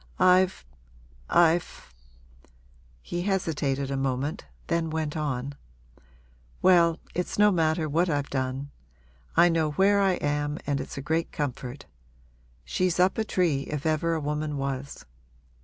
I've I've ' He hesitated a moment, then went on: 'Well, it's no matter what I've done. I know where I am and it's a great comfort. She's up a tree, if ever a woman was.